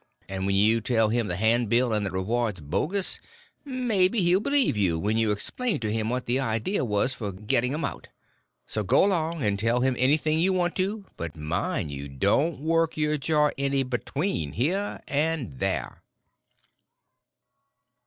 And when you tell him the handbill and the reward's bogus, maybe he'll believe you when you explain to him what the idea was for getting 'em out. Go 'long now, and tell him anything you want to; but mind you don't work your jaw any between here and there."